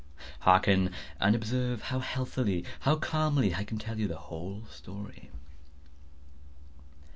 Hearken! and observe how healthily—how calmly I can tell you the whole story.